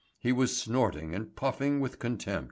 He was snorting and puffing with contempt.